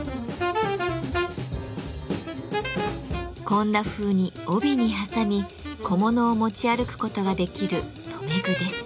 こんなふうに帯に挟み小物を持ち歩くことができる留め具です。